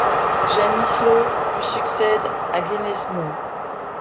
Janisław lui succède à Gniezno.